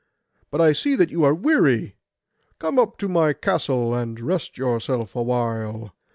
But I see that you are weary. Come up to my castle, and rest yourself awhile.